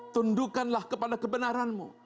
tundukkanlah kepada kebenaranmu